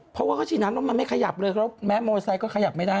เพราะว่าก็ฉีดน้ำลงมาไม่ขยับเลยครับแม้โอร์ไซค์ก็ขยับไม่ได้